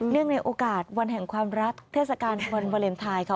เนื่องในโอกาสวันแห่งความรักเทศกาลวันเวลมไทยค่ะ